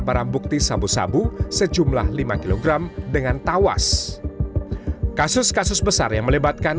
barang bukti sabu sabu sejumlah lima kg dengan tawas kasus kasus besar yang melibatkan